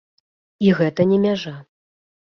І гэта не мяжа.